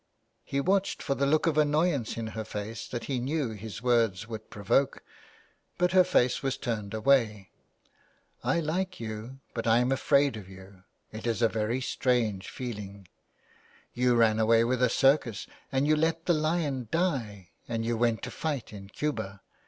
'' He watched for the look of annoyance in her face that he knew his words would provoke, but her face was turned away. " I like you, but I am afraid of you. It is a very strange feeling. You ran away with a circus and you let the lion die and you went to fight in Cuba.